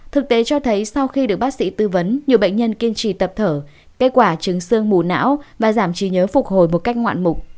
thực tế cho thấy sau khi được bác sĩ tư vấn nhiều bệnh nhân kiên trì tập thở kết quả trứng xương mù não và giảm trí nhớ phục hồi một cách ngoạn mục